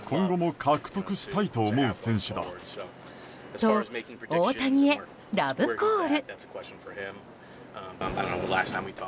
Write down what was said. と、大谷へラブコール。